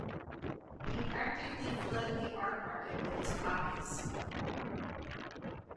He practically flooded the art market with his copies.